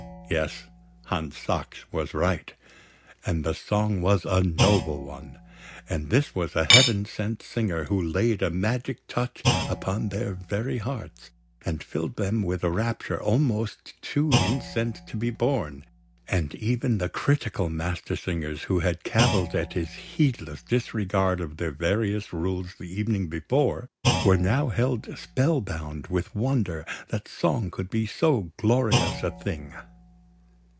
Yes, Hans Sachs was right, and the song was a noble one, and this was a Heaven sent singer who laid a magic touch upon their very hearts, and filled them with a rapture almost too intense to be borne; and even the critical Mastersingers who had cavilled at his heedless disregard of their various rules the evening before, were now held spellbound with wonder that song could be so glorious a thing.